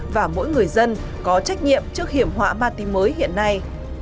và mỗi người dân có trách nhiệm trước hiểm họa ma túy mới hiện nay